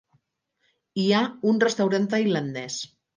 Hi ha un restaurant tailandès.